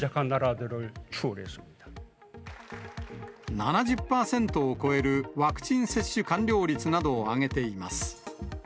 ７０％を超えるワクチン接種完了率などを挙げています。